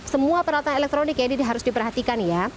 semua peralatan elektronik ya ini harus diperhatikan ya